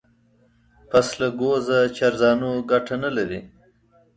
پسله گوزه چارزانو گټه نه لري.